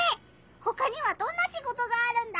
ほかにはどんなシゴトがあるんだ？